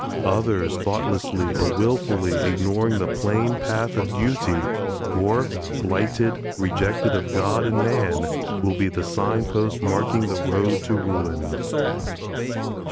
Others, thoughtlessly or wilfully ignoring the plain path of duty, dwarfed, blighted, rejected of God and man, will be the sign posts marking the road to ruin.